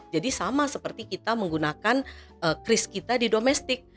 jadi sama seperti kita menggunakan criss kita di domestik